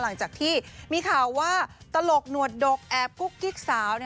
หลังจากที่มีข่าวว่าตลกหนวดดกแอบกุ๊กกิ๊กสาว